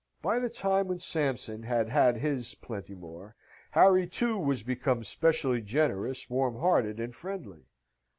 By the time when Sampson had had his "plenty more," Harry, too, was become specially generous, warm hearted, and friendly.